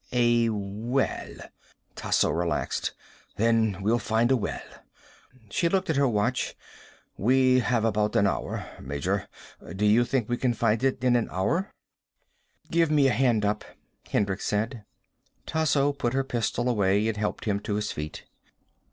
"A well." Tasso relaxed. "Then we'll find a well." She looked at her watch. "We have about an hour, Major. Do you think we can find it in an hour?" "Give me a hand up," Hendricks said. Tasso put her pistol away and helped him to his feet.